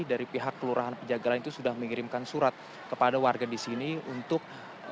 dari pihak kelurahan pejagalan itu sudah mengirimkan surat kepada warga di sini untuk